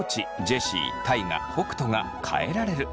ジェシー大我北斗が変えられる。